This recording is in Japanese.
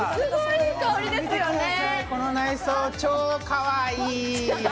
この内装、超かわいい。